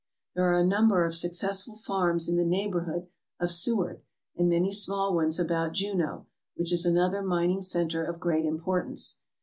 There are a number of successful farms in the neighbourhood of Seward and many small ones about Juneau, which is another mining centre of great importance.